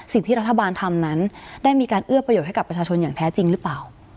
สิ่งที่รัฐบาลทำนั้นได้มีการเอื้อประโยชน์ให้กับประชาชนอย่างแท้จริงหรือเปล่า